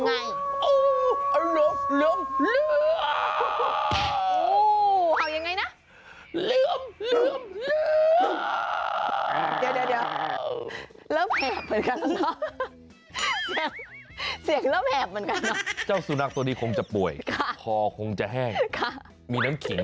มันเห่ายังไง